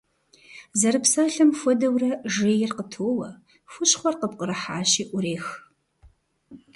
Зэрыпсалъэм хуэдэурэ, жейр къытоуэ, хущхъуэр къыпкърыхьащи Ӏурех.